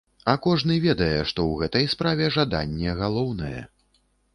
А кожны ведае, што ў гэтай справе жаданне галоўнае.